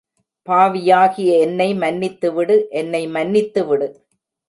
பாவியாகிய என்னை மன்னித்துவிடு, என்னை மன்னித்துவிடு.